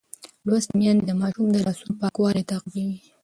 لوستې میندې د ماشوم د لاسونو پاکوالی تعقیبوي.